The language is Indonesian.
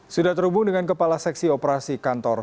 sudah terhubung dengan kepala seksi operasi kantor